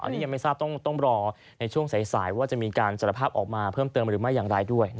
อันนี้ยังไม่ทราบต้องรอในช่วงสายว่าจะมีการสารภาพออกมาเพิ่มเติมหรือไม่อย่างไรด้วย